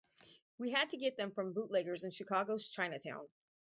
We had to get them from bootleggers in Chicago's Chinatown.